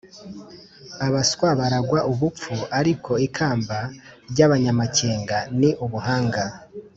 abaswa baragwa ubupfu, ariko ikamba ry’abanyamakenga ni ubuhanga